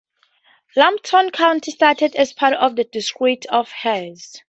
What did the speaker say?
Lambton County started as a part of the District of Hesse.